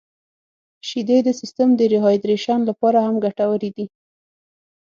• شیدې د سیستم د ریهایدریشن لپاره هم ګټورې دي.